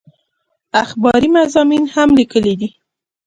اخباري مضامين هم ليکلي دي